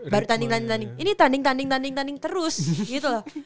baru tanding tanding ini tanding tanding tanding tanding terus gitu loh